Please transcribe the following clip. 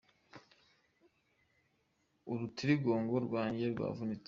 Urutiringongo rwanjye rwavunitse.